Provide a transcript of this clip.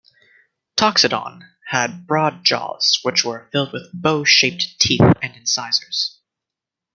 "Toxodon" had broad jaws which were filled with bow shaped teeth and incisors.